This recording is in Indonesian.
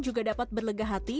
juga dapat berlegah hati